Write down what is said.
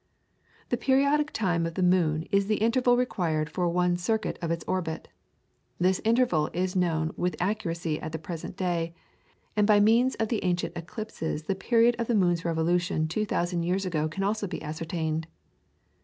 The periodic time of the moon is the interval required for one circuit of its orbit. This interval is known with accuracy at the present day, and by means of the ancient eclipses the period of the moon's revolution two thousand years ago can be also ascertained.